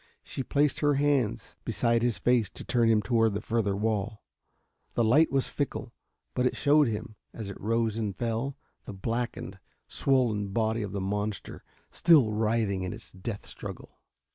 She placed her hands beside his face to turn him toward the further wall. The light was fickle, but it showed him, as it rose and fell, the blackened, swollen body of the monster, still writhing in its death struggle.